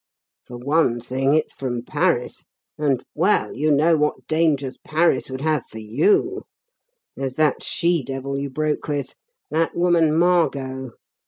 "For one thing, it's from Paris; and well, you know what dangers Paris would have for you. There's that she devil you broke with that woman Margot.